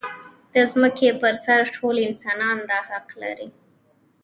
د ځمکې پر سر ټول انسانان دا حق لري.